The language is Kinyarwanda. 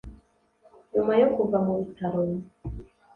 nyuma yo kuva mu bitaro